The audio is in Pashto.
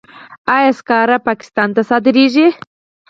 آیا سکاره پاکستان ته صادریږي؟